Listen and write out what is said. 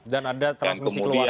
dan ada transmisi keluarga